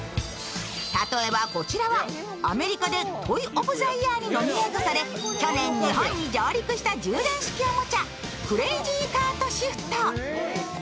例えばアメリカでトイ・オブ・ザ・イヤーにノミネートされ、去年日本に上陸した充電式おもちゃクレイジーカートシフト。